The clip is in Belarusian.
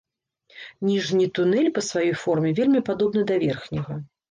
Ніжні тунэль па сваёй форме вельмі падобны да верхняга.